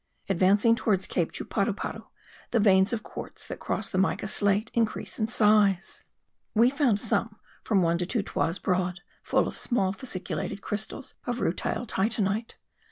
Advancing toward Cape Chuparuparu, the veins of quartz that cross the mica slate increase in size. We found some from one to two toises broad, full of small fasciculated crystals of rutile titanite.